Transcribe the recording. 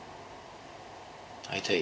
会いたい？